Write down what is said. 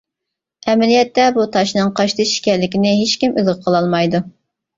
ئەمەلىيەتتە بۇ تاشنىڭ قاشتېشى ئىكەنلىكىنى ھېچكىم ئىلغا قىلالمايدۇ.